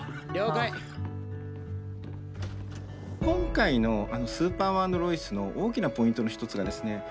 今回の「スーパーマン＆ロイス」の大きなポイントの一つがですね